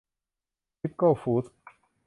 ทิปโก้ฟูดส์